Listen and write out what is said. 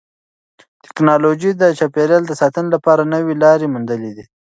تکنالوژي د چاپیریال د ساتنې لپاره نوې لارې موندلې دي.